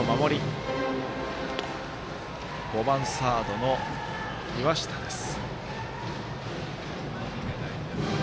バッター、５番サードの岩下です。